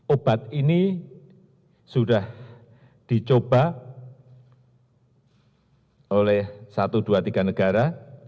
obat ini sudah dicoba oleh satu dua tiga negara